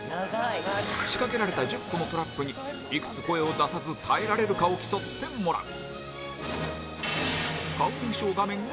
仕掛けられた１０個のトラップにいくつ声を出さず耐えられるかを競ってもらう